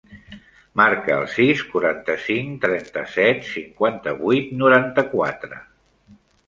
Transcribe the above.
Marca el sis, quaranta-cinc, trenta-set, cinquanta-vuit, noranta-quatre.